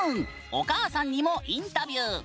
お母さんにもインタビュー。